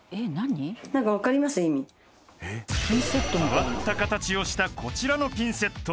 ［変わった形をしたこちらのピンセット］